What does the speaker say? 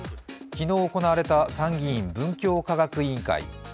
昨日行われた参議院文教科学委員会。